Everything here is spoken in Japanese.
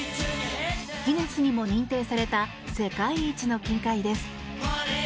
ギネスにも認定された世界一の金塊です。